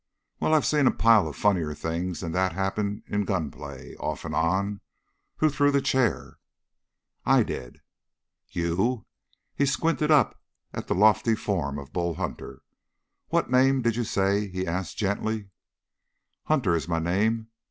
Well, I've seen a pile of funnier things than that happen in gun play, off and on. Who threw the chair?" "I did." "You?" He squinted up at the lofty form of Bull Hunter. "What name did you say?" he asked gently. "Hunter is my name.